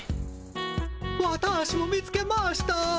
ワタ−シも見つけました！